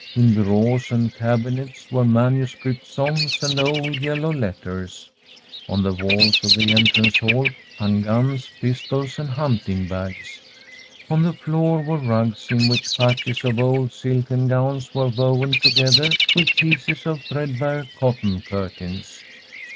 In bureaus and cabinets were manuscript songs and old yellow letters ; on the walls of the entrance hall hung guns, pistols and hunting bags; on the floor were rugs, in which patches of old silken gowns were woven [311 1 From a SWEDISH HOMESTEAD together with pieces of threadbare cotton curtains.